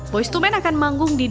boyz ii men akan manggung di dunia